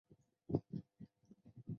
浙江秀水县人。